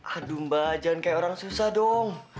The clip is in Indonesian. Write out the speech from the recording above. aduh mbak jangan kayak orang susah dong